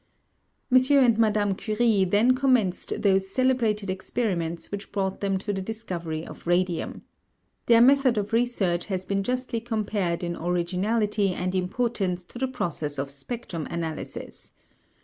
M. and Madame Curie then commenced those celebrated experiments which brought them to the discovery of radium. Their method of research has been justly compared in originality and importance to the process of spectrum analysis.